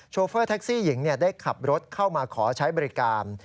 โฟเฟอร์แท็กซี่หญิงได้ขับรถเข้ามาขอใช้บริการ